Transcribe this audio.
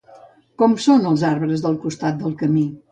Com són els arbres del costat del camí?